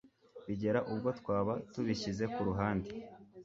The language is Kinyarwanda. bigera ubwo twaba tubishyize ku ruhande